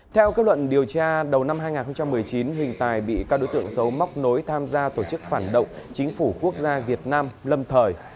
theo kết luận điều tra đầu năm hai nghìn một mươi chín hình tài bị các đối tượng xấu móc nối tham gia tổ chức phản động chính phủ quốc gia việt nam lâm thời